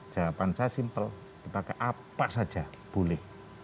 jawaban saya simple dipakai apa saja boleh